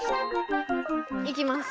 いきます。